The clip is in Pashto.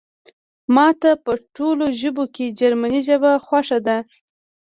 ماته په ټولو ژبو کې جرمني ژبه خوښه شوه